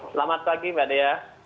selamat pagi mbak dea